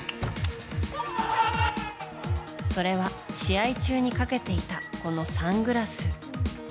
それは、試合中にかけていたこのサングラス。